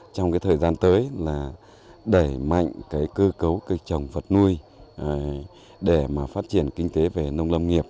trong thời gian tới là đẩy mạnh cơ cấu cây trồng vật nuôi để phát triển kinh tế về nông lâm nghiệp